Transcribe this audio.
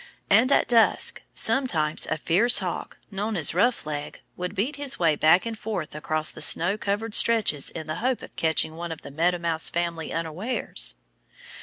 And at dusk sometimes a fierce hawk known as "Rough leg" would beat his way back and forth across the snow covered stretches in the hope of catching one of the Meadow Mouse family unawares.